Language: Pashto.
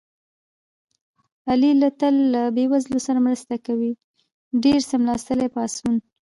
علي له تل له بې وزلو سره مرسته کوي. ډېر څملاستلي پاڅوي.